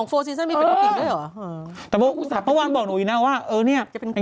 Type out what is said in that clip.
มูไนท์ถ้าจะทำเมื่อไหร่พี่ว่างนะ